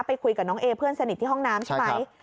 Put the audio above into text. คุยกับน้องเอเพื่อนสนิทที่ห้องน้ำใช่ไหม